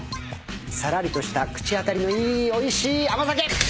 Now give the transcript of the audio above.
さらりとした口当たりのいいおいしい甘酒。